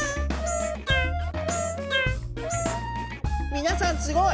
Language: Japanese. みなさんすごい！